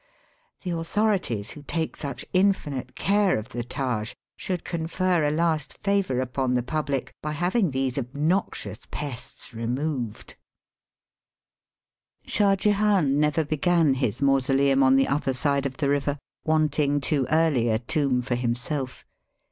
The authorities, who take such infinite care of the Taj, should confer a last favour upon the public by having these obnoxious pests removed. Digitized by VjOOQIC ^^THE WONDEB OF INDIA." 289 Shah Jehan never began his mausoleum on the other side of the river, wanting too early a tomb for himself.